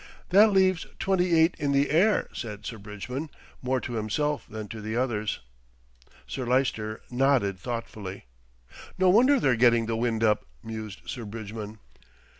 "That leaves twenty eight in the air," said Sir Bridgman, more to himself than to the others. Sir Lyster nodded thoughtfully. "No wonder they're getting the wind up," mused Sir Bridgman.